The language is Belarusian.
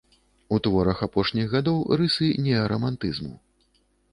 У творах апошніх гадоў рысы неарамантызму.